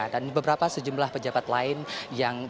dan beberapa sejumlah pejabat lain yang berhasil